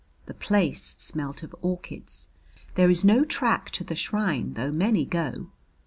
The place smelt of orchids. There is no track to the shrine though many go.